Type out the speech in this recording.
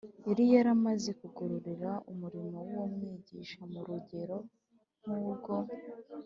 yari yamaze kugororera umurimo w’uwo mwigishwa mu rugero nk’urwo